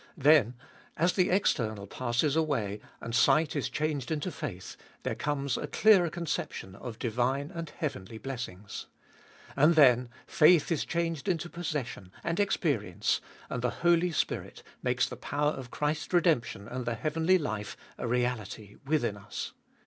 Then, as the external passes away, and sight is changed into faith, there comes a clearer conception of divine and heavenly blessings. And then faith is changed into possession and experience, and the Holy Spirit makes the power of Christ's redemption and the heavenly life a reality within us.